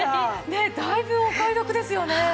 ねえだいぶお買い得ですよね。